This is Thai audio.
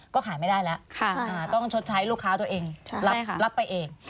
ก็ขายไม่ได้แล้วต้องชดใช้ลูกค้าตัวเองรับไปเอง